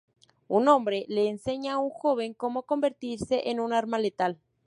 Un hombre le enseña a una joven cómo convertirse en un arma letal.